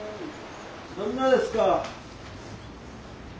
どんなですか？